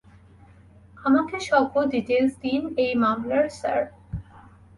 আমাকে সকল ডিটেইলস দিন এই মামলার, স্যার।